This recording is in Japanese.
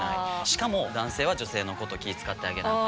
しかも男性は女性のこと気遣ってあげなあ